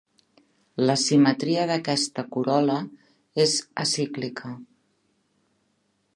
La simetria d'aquesta corol·la és acíclica.